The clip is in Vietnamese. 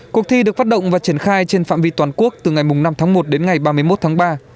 cuộc thi được phát động và triển khai trên phạm vi toàn quốc từ ngày năm tháng một đến ngày ba mươi một tháng ba